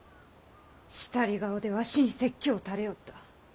したり顔でわしに説教をたれおった。